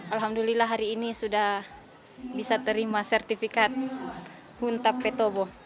alhamdulillah hari ini sudah bisa terima sertifikat huntap petobo